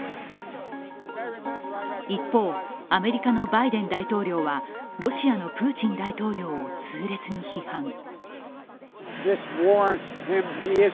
一方アメリカのバイデン大統領はロシアのプーチン大統領を痛烈に批判。